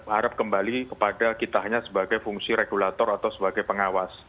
arab kembali kepada kita hanya sebagai fungsi regulator atau sebagai pengawas